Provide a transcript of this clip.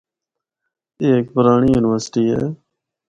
اے ہک پرانڑی یونیورسٹی ہے۔